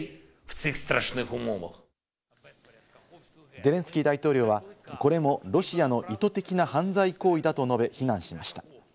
ゼレンスキー大統領は、これもロシアの意図的な犯罪行為だと述べ、非難しました。